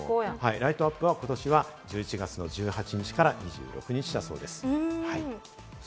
ライトアップは今年は１１月の１８日から２６日だそうです。